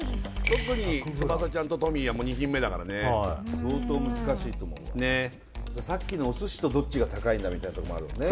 特に翼ちゃんとトミーはもう２品目だからね相当難しいと思うわさっきのお寿司とどっちが高いんだみたいなとこもあるもんね